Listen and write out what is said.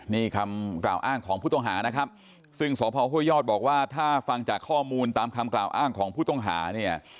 นี่คำกล่าวอ้างของผู้ต้องหานะครับซึ่งสพห้วยยอดบอกว่าถ้าฟังจากข้อมูลตามคำกล่าวอ้างของผู้ต้องหาเนี่ย